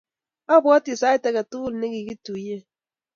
Abwoti sait ake tukul ne kikituyen.